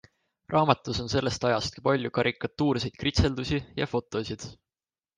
Raamatus on sellest ajast ka palju karikatuurseid kritseldusi ja fotosid.